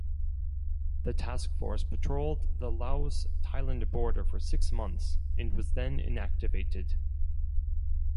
The task force patrolled the Laos–Thailand border for six months and was then inactivated.